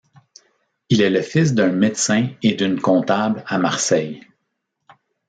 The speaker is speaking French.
Il est le fils d'un médecin et d'une comptable à Marseille.